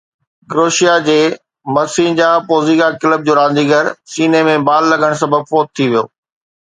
Croatia جي مرسينجا Pozega club جو رانديگر سيني ۾ بال لڳڻ سبب فوت ٿي ويو